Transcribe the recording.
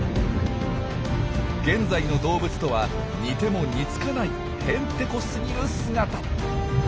現在の動物とは似ても似つかないヘンテコすぎる姿。